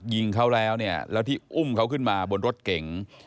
ยิงเขาแล้วเนี่ยแล้วที่อุ้มเขาขึ้นมาบนรถเก๋ง